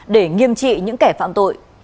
để nghiêm trị những kẻ phạm tội